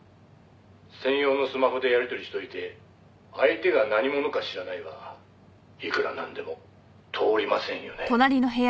「専用のスマホでやり取りしといて“相手が何者か知らない”はいくらなんでも通りませんよね」